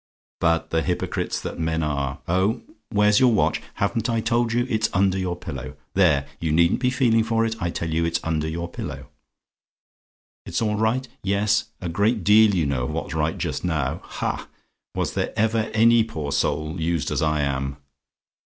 But the hypocrites that the men are oh! "WHERE'S YOUR WATCH? "Haven't I told you? It's under your pillow there, you needn't be feeling for it. I tell you it's under your pillow. "IT'S ALL RIGHT? "Yes; a great deal you know of what's right just now! Ha! was there ever any poor soul used as I am!